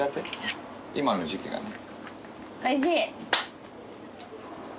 おいしい？